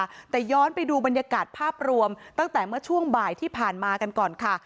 แต่ย้อนไปดูบรรยากาศภาพรวมตั้งแต่เมื่อช่วงบ่ายที่ผ่านมากันก่อนค่ะ